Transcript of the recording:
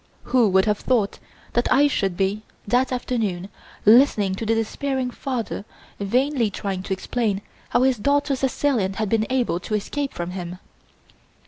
Who would have thought that I should be, that afternoon, listening to the despairing father vainly trying to explain how his daughter's assailant had been able to escape from him?